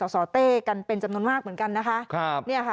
สอเต้กันเป็นจำนวนมากเหมือนกันนะคะ